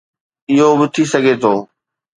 اهو به ٿي سگهي ٿو